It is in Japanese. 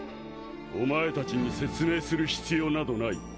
お前たちに説明する必要などない。